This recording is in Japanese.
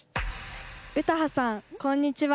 詩羽さんこんにちは。